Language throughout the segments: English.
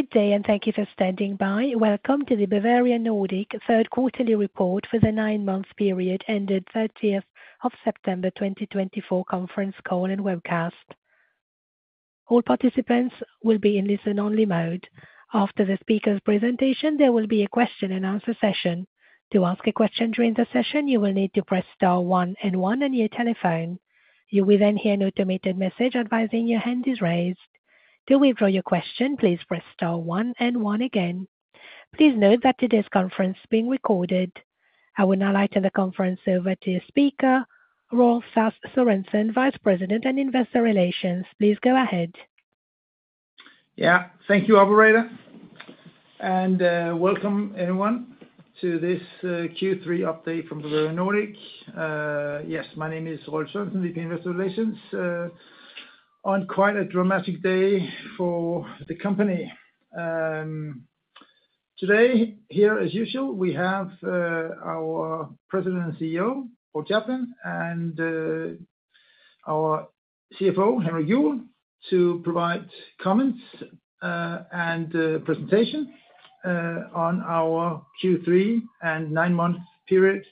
Good day, and thank you for standing by. Welcome to the Bavarian Nordic third quarterly report for the nine-month period ended 30th of September 2024 conference call and webcast. All participants will be in listen-only mode. After the speaker's presentation, there will be a question-and-answer session. To ask a question during the session, you will need to press star one and one on your telephone. You will then hear an automated message advising your hand is raised. To withdraw your question, please press star one and one again. Please note that today's conference is being recorded. I will now turn the conference over to your speaker, Rolf Sørensen, Vice President and Investor Relations. Please go ahead. Yeah, thank you, Operator. And welcome, everyone, to this Q3 update from Bavarian Nordic. Yes, my name is Rolf Sørensen, VP Investor Relations, on quite a dramatic day for the company. Today, here, as usual, we have our President and CEO, Paul Chaplin, and our CFO, Henrik Juuel, to provide comments and presentation on our Q3 and nine-month period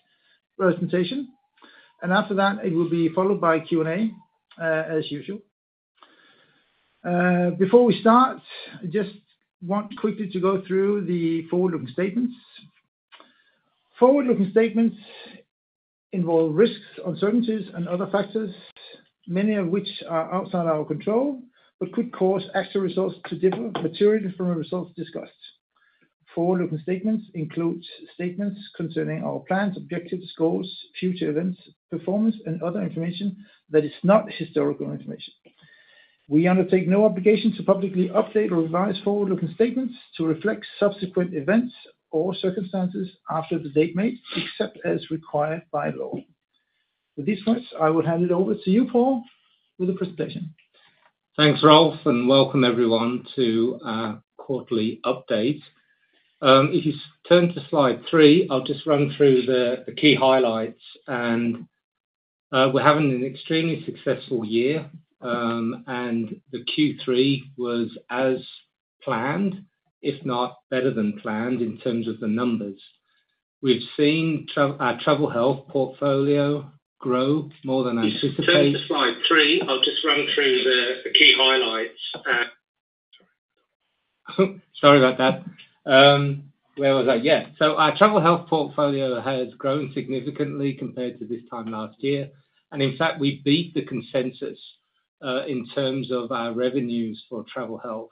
presentation. And after that, it will be followed by Q&A, as usual. Before we start, I just want quickly to go through the forward-looking statements. Forward-looking statements involve risks, uncertainties, and other factors, many of which are outside our control but could cause actual results to differ materially from the results discussed. Forward-looking statements include statements concerning our plans, objectives, goals, future events, performance, and other information that is not historical information. We undertake no obligation to publicly update or revise forward-looking statements to reflect subsequent events or circumstances after the date made, except as required by law. With these points, I will hand it over to you, Paul, with the presentation. Thanks, Rolf, and welcome everyone to our quarterly update. If you turn to slide three, I'll just run through the key highlights, and we're having an extremely successful year, and the Q3 was as planned, if not better than planned, in terms of the numbers. We've seen our travel health portfolio grow more than anticipated. Turn to slide three. I'll just run through the key highlights. Sorry about that. Where was I? Yeah. So our travel health portfolio has grown significantly compared to this time last year. And in fact, we beat the consensus in terms of our revenues for travel health.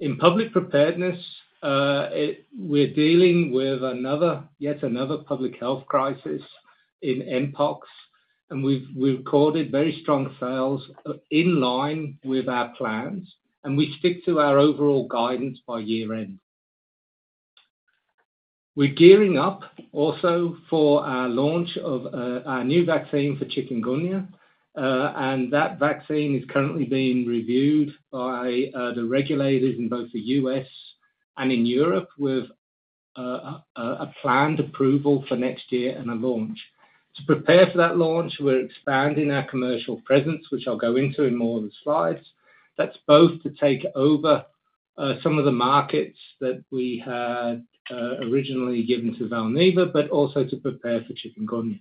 In public preparedness, we're dealing with yet another public health crisis in mpox, and we've recorded very strong sales in line with our plans, and we stick to our overall guidance by year-end. We're gearing up also for our launch of our new vaccine for chikungunya, and that vaccine is currently being reviewed by the regulators in both the U.S. and in Europe with a planned approval for next year and a launch. To prepare for that launch, we're expanding our commercial presence, which I'll go into in more of the slides. That's both to take over some of the markets that we had originally given to Valneva, but also to prepare for chikungunya.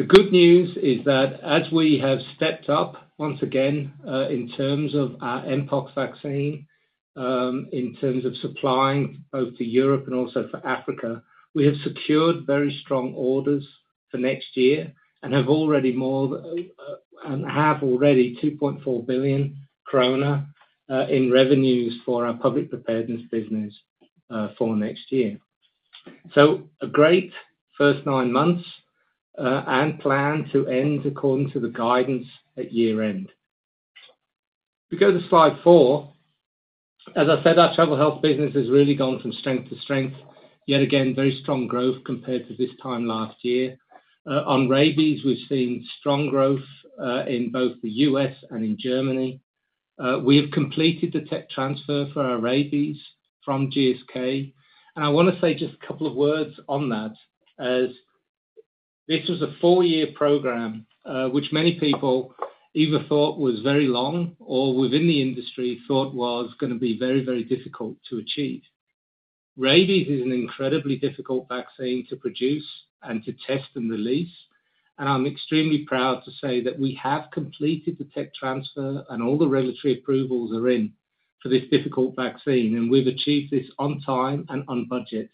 The good news is that as we have stepped up once again in terms of our mpox vaccine, in terms of supplying both to Europe and also for Africa, we have secured very strong orders for next year and have already 2.4 billion krone in revenues for our public preparedness business for next year, so a great first nine months and plan to end according to the guidance at year-end. If we go to slide four, as I said, our travel health business has really gone from strength to strength. Yet again, very strong growth compared to this time last year. On rabies, we've seen strong growth in both the U.S. and in Germany. We have completed the tech transfer for our rabies from GSK. I want to say just a couple of words on that, as this was a four-year program, which many people either thought was very long or within the industry thought was going to be very, very difficult to achieve. Rabies is an incredibly difficult vaccine to produce and to test and release, and I'm extremely proud to say that we have completed the tech transfer and all the regulatory approvals are in for this difficult vaccine, and we've achieved this on time and on budget.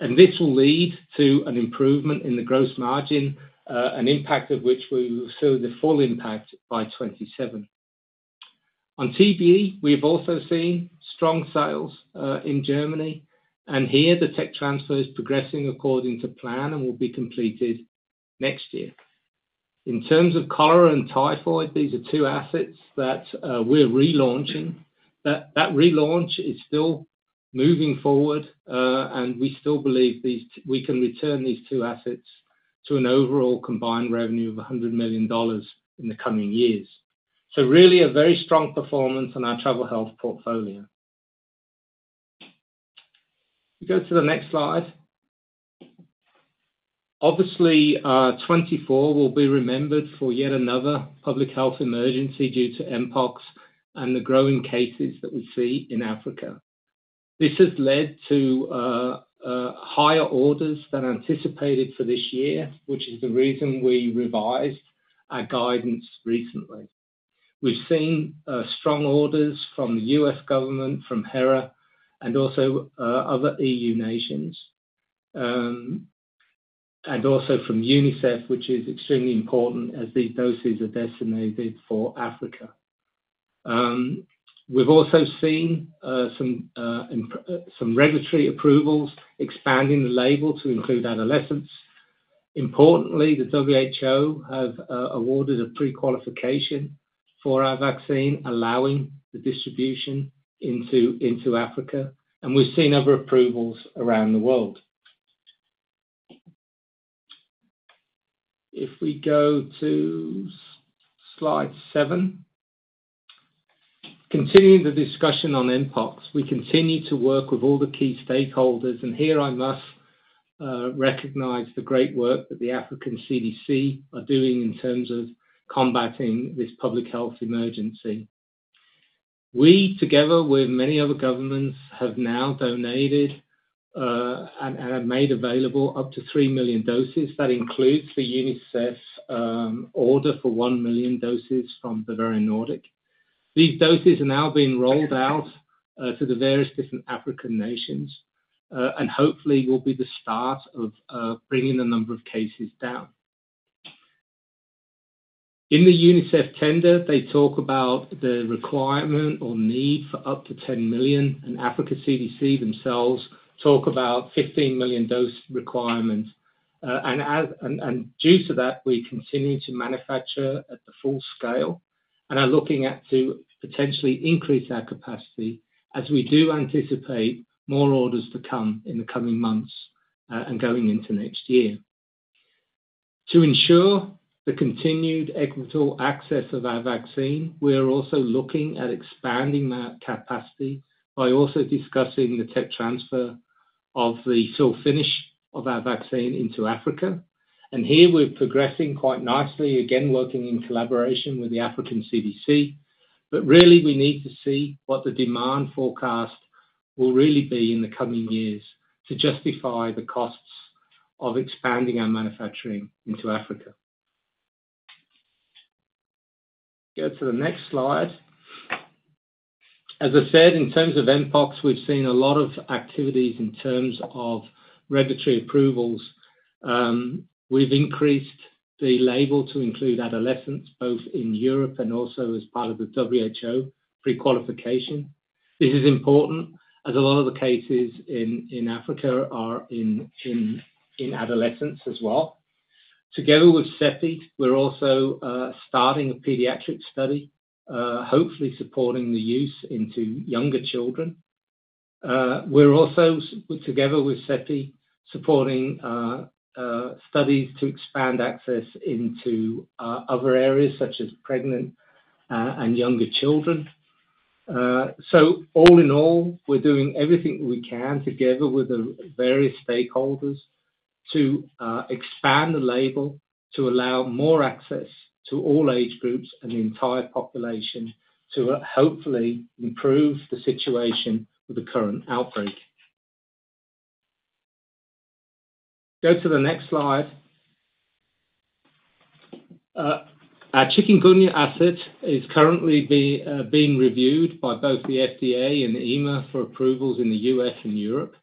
This will lead to an improvement in the gross margin, an impact of which we will see the full impact by 2027. On TB, we have also seen strong sales in Germany, and here the tech transfer is progressing according to plan and will be completed next year. In terms of cholera and typhoid, these are two assets that we're relaunching. That relaunch is still moving forward, and we still believe we can return these two assets to an overall combined revenue of $100 million in the coming years. So really a very strong performance on our travel health portfolio. If we go to the next slide, obviously, 2024 will be remembered for yet another public health emergency due to mpox and the growing cases that we see in Africa. This has led to higher orders than anticipated for this year, which is the reason we revised our guidance recently. We've seen strong orders from the U.S. government, from HERA, and also other EU nations, and also from UNICEF, which is extremely important as these doses are destined for Africa. We've also seen some regulatory approvals expanding the label to include adolescents. Importantly, the WHO has awarded a pre-qualification for our vaccine, allowing the distribution into Africa, and we've seen other approvals around the world. If we go to slide seven, continuing the discussion on mpox, we continue to work with all the key stakeholders, and here I must recognize the great work that the Africa CDC are doing in terms of combating this public health emergency. We, together with many other governments, have now donated and have made available up to three million doses. That includes the UNICEF order for one million doses from Bavarian Nordic. These doses are now being rolled out to the various different African nations and hopefully will be the start of bringing the number of cases down. In the UNICEF tender, they talk about the requirement or need for up to 10 million, and Africa CDC themselves talk about 15 million dose requirements. Due to that, we continue to manufacture at the full scale and are looking at to potentially increase our capacity as we do anticipate more orders to come in the coming months and going into next year. To ensure the continued equitable access of our vaccine, we are also looking at expanding that capacity by also discussing the tech transfer of the fill and finish of our vaccine into Africa. Here we're progressing quite nicely, again working in collaboration with the Africa CDC, but really we need to see what the demand forecast will really be in the coming years to justify the costs of expanding our manufacturing into Africa. Go to the next slide. As I said, in terms of mpox, we've seen a lot of activities in terms of regulatory approvals. We've increased the label to include adolescents, both in Europe and also as part of the WHO pre-qualification. This is important as a lot of the cases in Africa are in adolescents as well. Together with CEPI, we're also starting a pediatric study, hopefully supporting the use into younger children. We're also, together with CEPI, supporting studies to expand access into other areas such as pregnant and younger children. So all in all, we're doing everything we can together with the various stakeholders to expand the label to allow more access to all age groups and the entire population to hopefully improve the situation with the current outbreak. Go to the next slide. Our chikungunya asset is currently being reviewed by both the FDA and EMA for approvals in the US and Europe.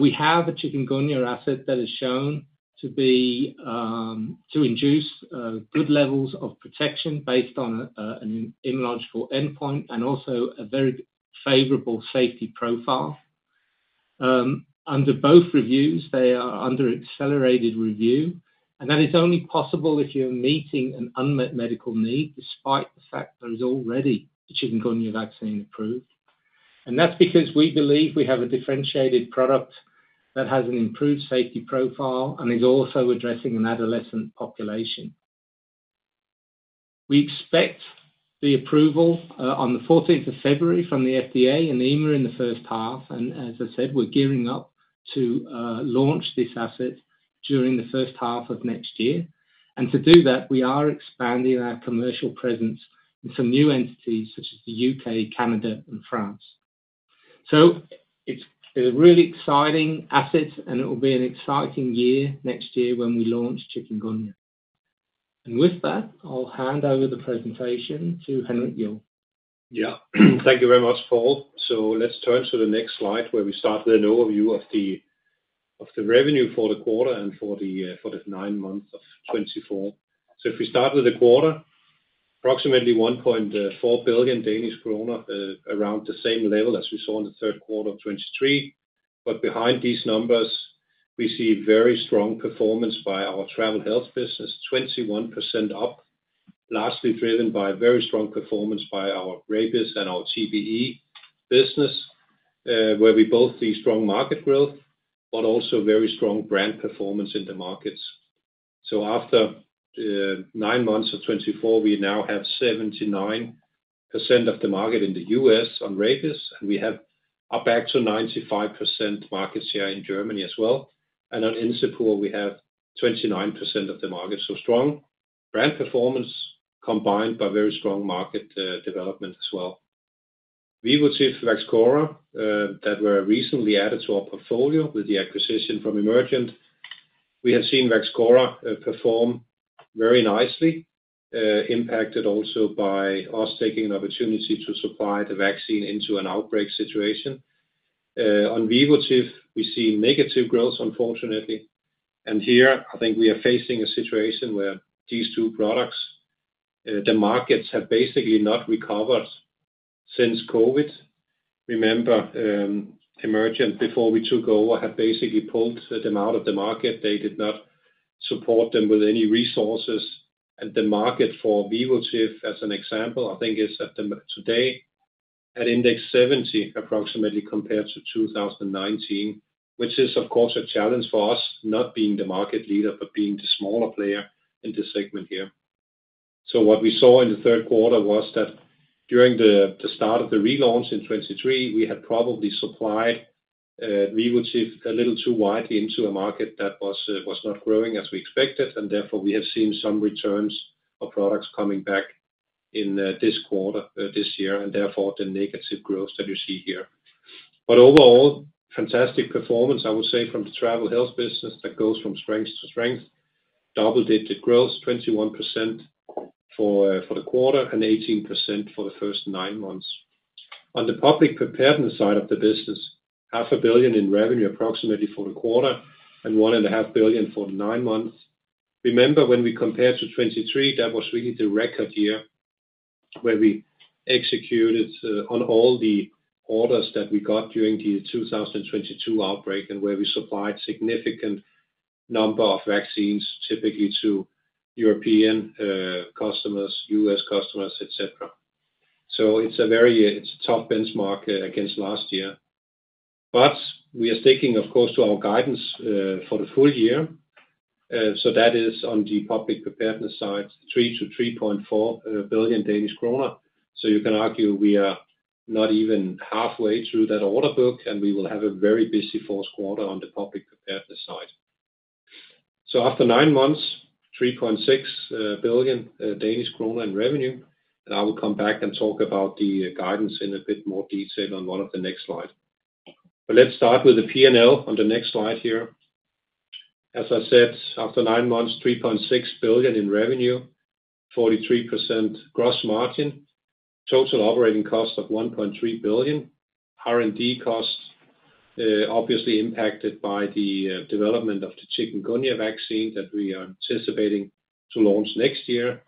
We have a chikungunya asset that is shown to induce good levels of protection based on an immunological endpoint and also a very favorable safety profile. Under both reviews, they are under accelerated review, and that is only possible if you're meeting an unmet medical need despite the fact there is already a chikungunya vaccine approved. That's because we believe we have a differentiated product that has an improved safety profile and is also addressing an adolescent population. We expect the approval on the 14th of February from the FDA and EMA in the first half. As I said, we're gearing up to launch this asset during the first half of next year. To do that, we are expanding our commercial presence in some new entities such as the UK, Canada, and France. So it's a really exciting asset, and it will be an exciting year next year when we launch chikungunya. And with that, I'll hand over the presentation to Henrik Juuel. Yeah, thank you very much, Paul. So let's turn to the next slide where we start with an overview of the revenue for the quarter and for the nine months of 2024. So if we start with the quarter, approximately 1.4 billion Danish kroner, around the same level as we saw in the third quarter of 2023. But behind these numbers, we see very strong performance by our travel health business, 21% up, largely driven by very strong performance by our rabies and our TBE business, where we both see strong market growth, but also very strong brand performance in the markets. So after nine months of 2024, we now have 79% of the market in the U.S. on rabies, and we are back to 95% market share in Germany as well, and on Encepur, we have 29% of the market. So strong brand performance combined by very strong market development as well. We will see Vaxchora that were recently added to our portfolio with the acquisition from Emergent. We have seen Vaxchora perform very nicely, impacted also by us taking an opportunity to supply the vaccine into an outbreak situation. On Vivotif, we see negative growth, unfortunately. And here, I think we are facing a situation where these two products, the markets have basically not recovered since COVID. Remember, Emergent, before we took over, had basically pulled them out of the market. They did not support them with any resources. And the market for Vivotif, as an example, I think is today at index 70, approximately compared to 2019, which is, of course, a challenge for us, not being the market leader, but being the smaller player in this segment here. So what we saw in the third quarter was that during the start of the relaunch in 2023, we had probably supplied Vivotif a little too widely into a market that was not growing as we expected, and therefore we have seen some returns of products coming back in this quarter, this year, and therefore the negative growth that you see here. But overall, fantastic performance, I would say, from the travel health business that goes from strength to strength, double-digit growth, 21% for the quarter and 18% for the first nine months. On the public preparedness side of the business, 500 million in revenue approximately for the quarter and 1.5 billion for the nine months. Remember, when we compared to 2023, that was really the record year where we executed on all the orders that we got during the 2022 outbreak and where we supplied a significant number of vaccines, typically to European customers, U.S. customers, etc. So it's a very tough benchmark against last year. But we are sticking, of course, to our guidance for the full year. So that is on the public preparedness side, 3-3.4 billion Danish kroner. So you can argue we are not even halfway through that order book, and we will have a very busy fourth quarter on the public preparedness side. So after nine months, 3.6 billion Danish kroner in revenue, and I will come back and talk about the guidance in a bit more detail on one of the next slides. But let's start with the P&L on the next slide here. As I said, after nine months, 3.6 billion in revenue, 43% gross margin, total operating cost of 1.3 billion, R&D costs obviously impacted by the development of the chikungunya vaccine that we are anticipating to launch next year,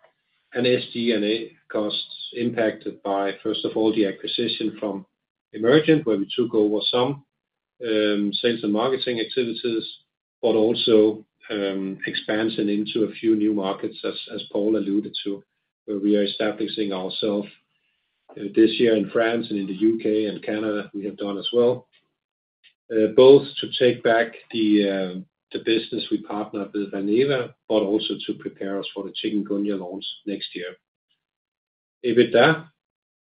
and SG&A costs impacted by, first of all, the acquisition from Emergent, where we took over some sales and marketing activities, but also expansion into a few new markets, as Paul alluded to, where we are establishing ourselves this year in France and in the UK and Canada we have done as well, both to take back the business we partnered with Valneva, but also to prepare us for the chikungunya launch next year. EBITDA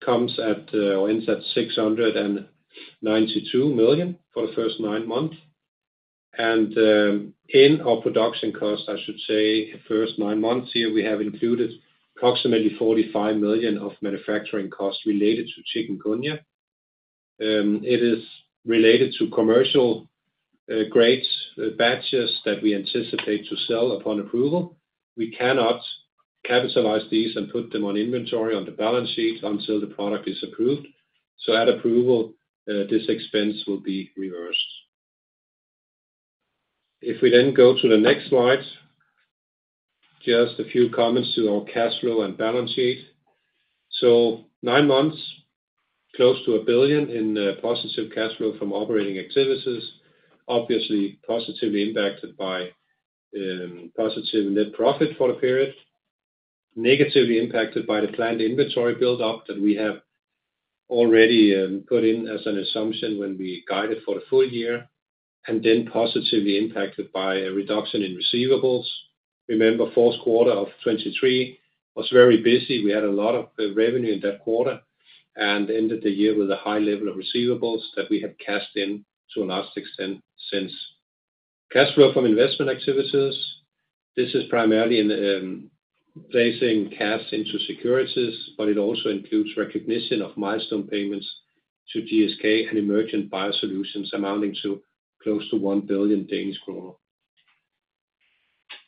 comes at or ends at 692 million for the first nine months. In our production costs, I should say, first nine months here, we have included approximately 45 million of manufacturing costs related to chikungunya. It is related to commercial grade batches that we anticipate to sell upon approval. We cannot capitalize these and put them on inventory on the balance sheet until the product is approved. So at approval, this expense will be reversed. If we then go to the next slide, just a few comments to our cash flow and balance sheet. So nine months, close to 1 billion in positive cash flow from operating activities, obviously positively impacted by positive net profit for the period, negatively impacted by the planned inventory build-up that we have already put in as an assumption when we guided for the full year, and then positively impacted by a reduction in receivables. Remember, fourth quarter of 2023 was very busy. We had a lot of revenue in that quarter and ended the year with a high level of receivables that we have cashed in to a large extent since. Cash flow from investment activities, this is primarily placing cash into securities, but it also includes recognition of milestone payments to GSK and Emergent Biosolutions amounting to close to 1 billion Danish kroner.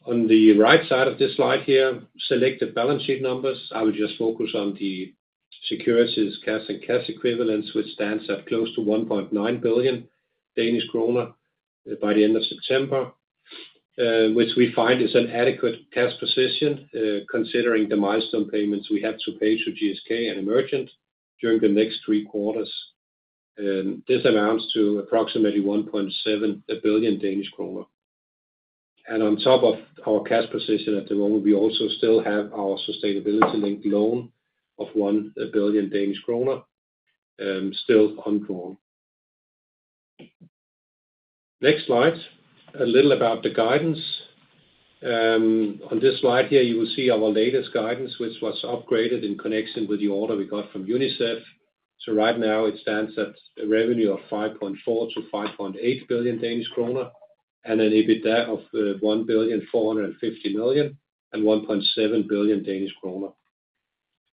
On the right side of this slide here, selected balance sheet numbers, I will just focus on the securities, cash, and cash equivalents, which stands at close to 1.9 billion Danish kroner by the end of September, which we find is an adequate cash position considering the milestone payments we have to pay to GSK and Emergent during the next three quarters. This amounts to approximately 1.7 billion Danish kroner. On top of our cash position at the moment, we also still have our sustainability-linked loan of 1 billion Danish kroner still ongoing. Next slide, a little about the guidance. On this slide here, you will see our latest guidance, which was upgraded in connection with the order we got from UNICEF. Right now, it stands at a revenue of 5.4-5.8 billion Danish krone and an EBITDA of 1.45-1.7 billion Danish krone.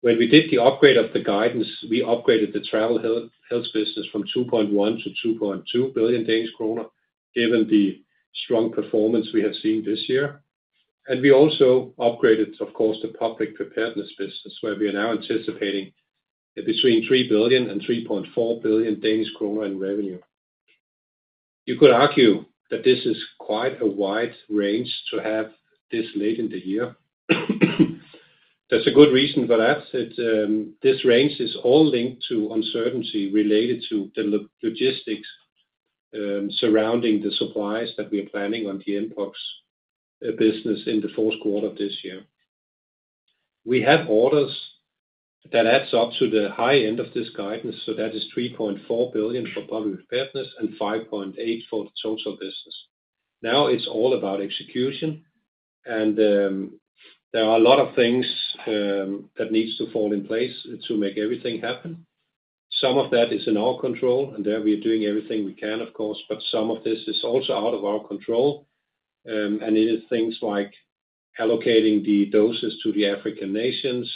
When we did the upgrade of the guidance, we upgraded the travel health business from 2.1-2.2 billion Danish kroner given the strong performance we have seen this year. We also upgraded, of course, the public preparedness business, where we are now anticipating between 3 billion and 3.4 billion Danish kroner in revenue. You could argue that this is quite a wide range to have this late in the year. There's a good reason for that. This range is all linked to uncertainty related to the logistics surrounding the supplies that we are planning on the mpox business in the fourth quarter of this year. We have orders that adds up to the high end of this guidance, so that is 3.4 billion for public preparedness and 5.8 billion for the total business. Now it's all about execution, and there are a lot of things that need to fall in place to make everything happen. Some of that is in our control, and there we are doing everything we can, of course, but some of this is also out of our control. It is things like allocating the doses to the African nations,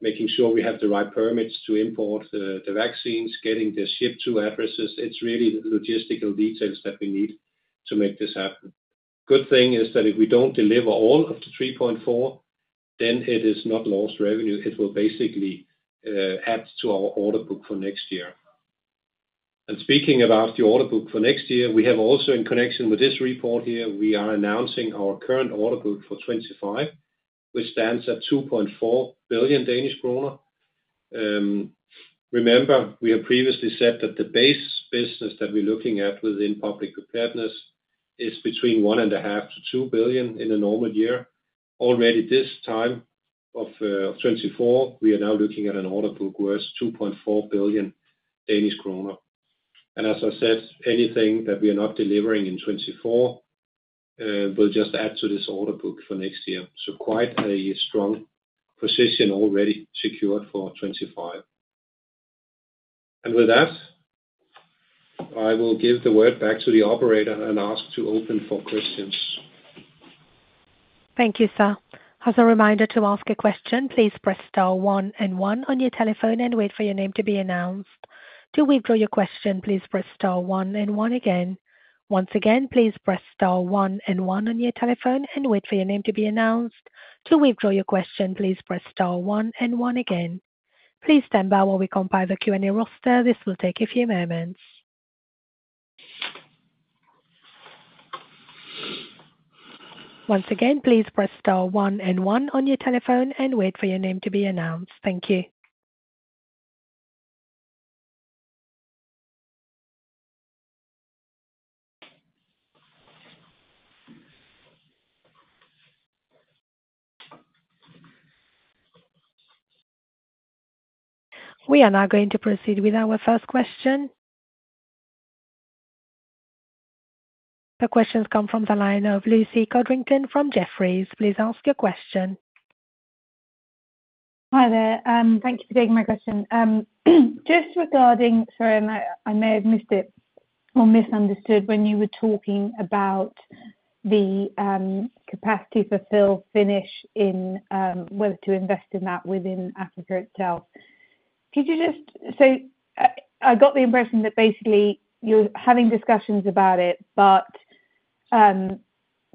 making sure we have the right permits to import the vaccines, getting the ship-to addresses. It's really logistical details that we need to make this happen. Good thing is that if we don't deliver all of the 3.4, then it is not lost revenue. It will basically add to our order book for next year. And speaking about the order book for next year, we have also in connection with this report here, we are announcing our current order book for 2025, which stands at 2.4 billion Danish kroner. Remember, we have previously said that the base business that we're looking at within public preparedness is between 1.5 billion to 2 billion in a normal year. Already this time of 2024, we are now looking at an order book worth 2.4 billion Danish kroner. And as I said, anything that we are not delivering in 2024 will just add to this order book for next year. So quite a strong position already secured for 2025. And with that, I will give the word back to the operator and ask to open for questions. Thank you, sir. As a reminder to ask a question, please press star one and one on your telephone and wait for your name to be announced. To withdraw your question, please press star one and one again. Once again, please press star one and one on your telephone and wait for your name to be announced. To withdraw your question, please press star one and one again. Please stand by while we compile the Q&A roster. This will take a few moments. Once again, please press star one and one on your telephone and wait for your name to be announced. Thank you. We are now going to proceed with our first question. The questions come from the line of Lucy Codrington from Jefferies. Please ask your question. Hi there. Thank you for taking my question. Just regarding, sorry, I may have missed it or misunderstood when you were talking about the capacity to fill, finish, and whether to invest in that within Africa itself. Could you just, so I got the impression that basically you're having discussions about it, but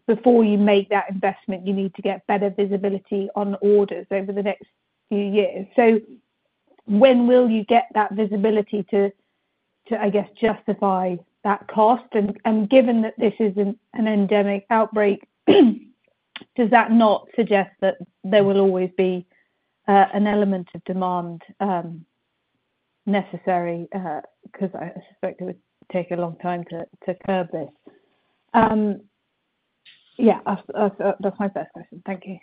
before you make that investment, you need to get better visibility on orders over the next few years. So when will you get that visibility to, I guess, justify that cost? And given that this is an endemic outbreak, does that not suggest that there will always be an element of demand necessary? Because I suspect it would take a long time to curb this. Yeah, that's my first question. Thank you.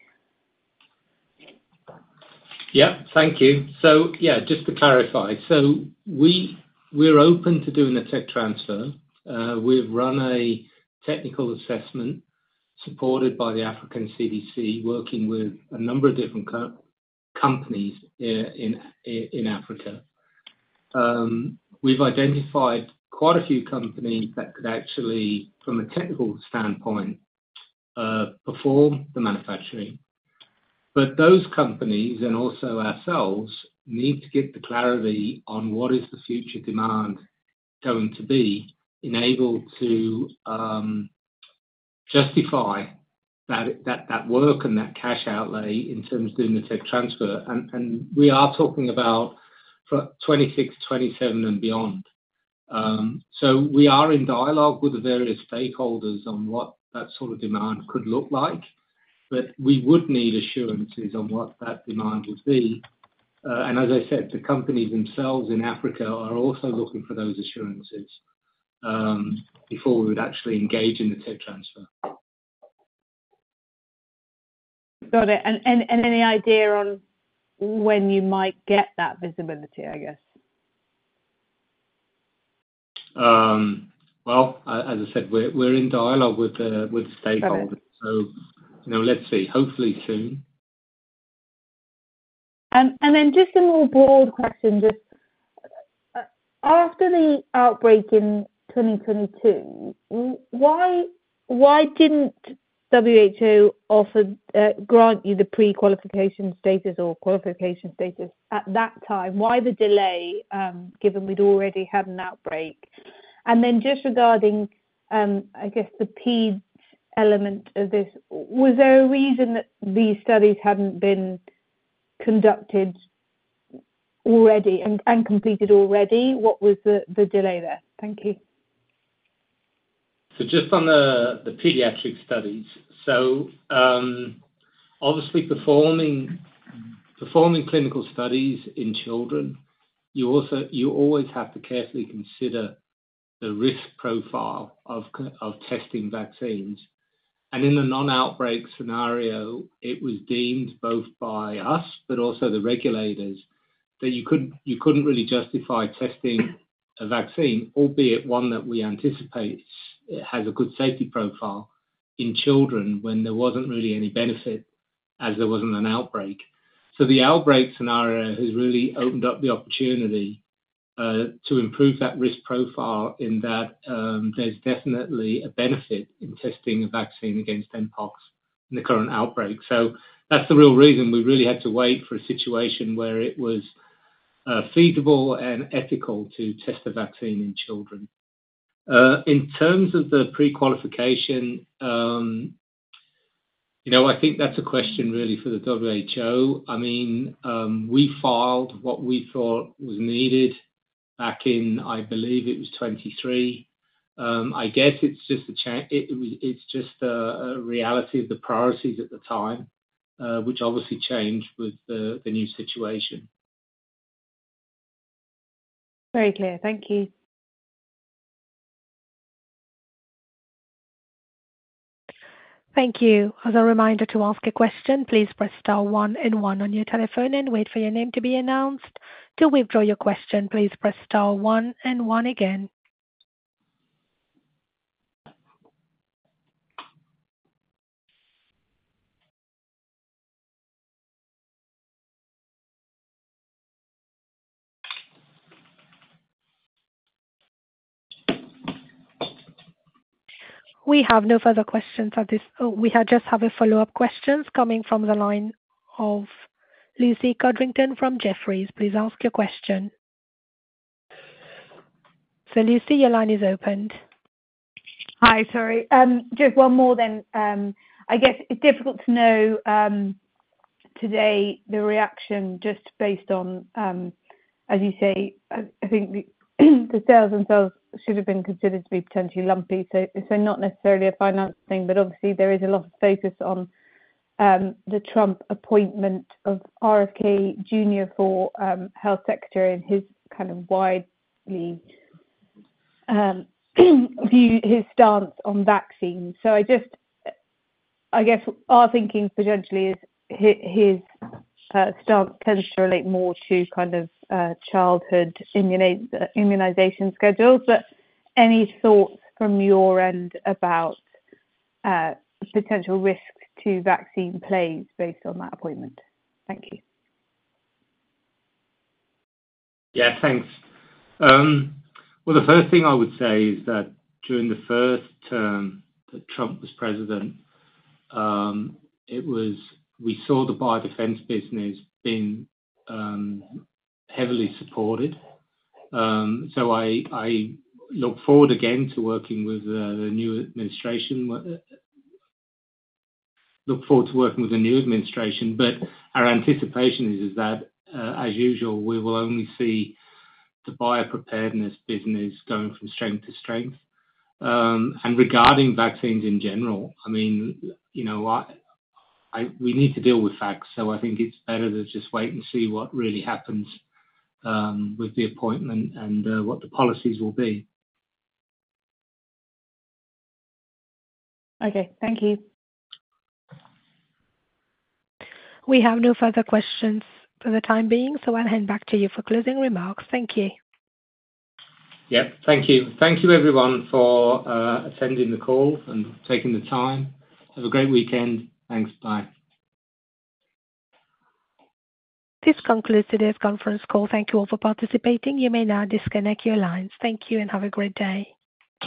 Yeah, thank you. So yeah, just to clarify. So we're open to doing the tech transfer. We've run a technical assessment supported by the Africa CDC, working with a number of different companies in Africa. We've identified quite a few companies that could actually, from a technical standpoint, perform the manufacturing. But those companies and also ourselves need to get the clarity on what is the future demand going to be, enable to justify that work and that cash outlay in terms of doing the tech transfer. And we are talking about 2026, 2027, and beyond. So we are in dialogue with the various stakeholders on what that sort of demand could look like, but we would need assurances on what that demand would be. And as I said, the companies themselves in Africa are also looking for those assurances before we would actually engage in the tech transfer. Got it. And any idea on when you might get that visibility, I guess? As I said, we're in dialogue with the stakeholders. Let's see. Hopefully soon. Then just a more broad question. After the outbreak in 2022, why didn't WHO grant you the pre-qualification status or qualification status at that time? Why the delay, given we'd already had an outbreak? And then just regarding, I guess, the peds element of this, was there a reason that these studies hadn't been conducted already and completed already? What was the delay there? Thank you. Just on the pediatric studies. Obviously, performing clinical studies in children, you always have to carefully consider the risk profile of testing vaccines. In the non-outbreak scenario, it was deemed both by us, but also the regulators, that you couldn't really justify testing a vaccine, albeit one that we anticipate has a good safety profile in children when there wasn't really any benefit as there wasn't an outbreak. The outbreak scenario has really opened up the opportunity to improve that risk profile in that there's definitely a benefit in testing a vaccine against mpox in the current outbreak. That's the real reason we really had to wait for a situation where it was feasible and ethical to test a vaccine in children. In terms of the pre-qualification, I think that's a question really for the WHO. I mean, we filed what we thought was needed back in, I believe it was 2023. I guess it's just a reality of the priorities at the time, which obviously changed with the new situation. Very clear. Thank you. Thank you. As a reminder to ask a question, please press star one and one on your telephone and wait for your name to be announced. To withdraw your question, please press star one and one again. We have no further questions at this. We just have a follow-up question coming from the line of Lucy Codrington from Jefferies. Please ask your question. So Lucy, your line is opened. Hi, sorry. Just one more then. I guess it's difficult to know today the reaction just based on, as you say, I think the sales themselves should have been considered to be potentially lumpy. So not necessarily a finance thing, but obviously there is a lot of focus on the Trump appointment of RFK Jr. for health secretary and his kind of widely held view, his stance on vaccines. So I guess our thinking potentially is his stance tends to relate more to kind of childhood immunization schedules. But any thoughts from your end about potential risks to vaccine plays based on that appointment? Thank you. Yeah, thanks. Well, the first thing I would say is that during the first term that Trump was president, we saw the biodefense business being heavily supported. So I look forward again to working with the new administration. But our anticipation is that, as usual, we will only see the biopreparedness business going from strength to strength, and regarding vaccines in general, I mean, we need to deal with facts. So I think it's better to just wait and see what really happens with the appointment and what the policies will be. Okay. Thank you. We have no further questions for the time being. So I'll hand back to you for closing remarks. Thank you. Yeah. Thank you. Thank you, everyone, for attending the call and taking the time. Have a great weekend. Thanks. Bye. This concludes today's conference call. Thank you all for participating. You may now disconnect your lines. Thank you and have a great day.